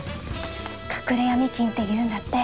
隠れヤミ金って言うんだって。